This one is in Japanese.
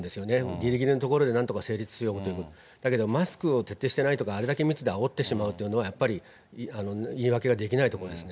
ぎりぎりのところでなんとか成立させようと、だけど、マスクを徹底してないとか、あれだけ密であおってしまうっていうのは、やっぱり言い訳ができないと思うんですね。